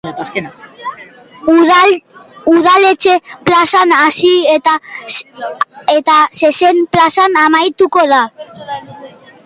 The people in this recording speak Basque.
Udaletxe plazan hasi eta zezen-plazan amaituko da.